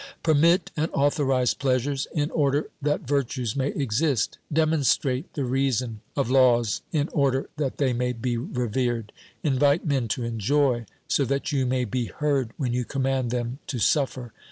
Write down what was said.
Permit and authorise pleasures in order that virtues may exist ; demonstrate the reason of laws in order that they may be revered ; invite men to enjoy so that you may be heard when you command them to suffer.